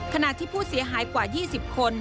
ขณะที่ผู้เสียหายกว่า๒๐คน